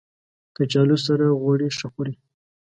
کچالو سره غوړي ښه خوري